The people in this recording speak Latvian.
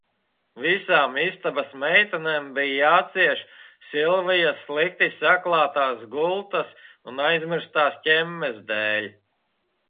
Visām istabas meitenēm bija jācieš Silvijas slikti saklātās gultas un aizmirstās ķemmes dēļ.